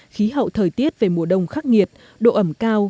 khí hậu thời tiết về mùa đông khắc nghiệt độ ẩm cao